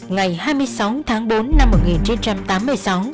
ngày hai mươi sáu tháng bốn năm một nghìn chín trăm tám mươi sáu